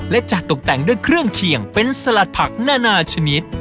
และจัดตกแต่งด้วยเครื่องเคียงเป็นสลัดผักนานาชนิด